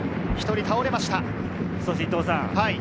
１人倒れました。